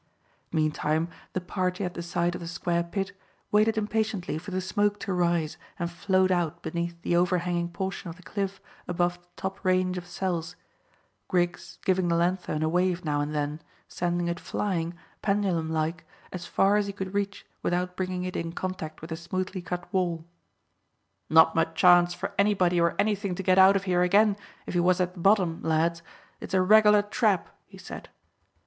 Meantime the party at the side of the square pit waited impatiently for the smoke to rise and float out beneath the overhanging portion of the cliff above the top range of cells, Griggs giving the lanthorn a wave now and then, sending it flying, pendulum like, as far as he could reach without bringing it in contact with the smoothly cut wall. "Not much chance for anybody or anything to get out of here again if he was at the bottom, lads. It's a regular trap," he said.